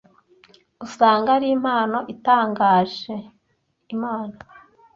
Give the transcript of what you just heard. usanga ari impano itangaje Imana